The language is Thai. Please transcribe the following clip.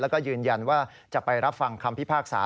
แล้วก็ยืนยันว่าจะไปรับฟังคำพิพากษา